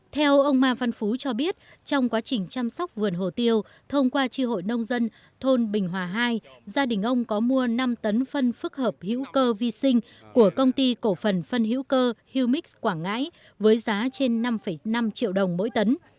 theo ông ma văn phú cho biết trong quá trình chăm sóc vườn hồ tiêu thông qua tri hội nông dân thôn bình hòa hai gia đình ông có mua năm tấn phân phức hợp hữu cơ vi sinh của công ty cổ phần phân hữu cơ humix quảng ngãi với giá trên năm năm triệu đồng mỗi tấn